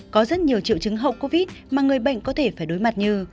có rất nhiều triệu chứng hậu covid mà người bệnh có thể phải đối mặt như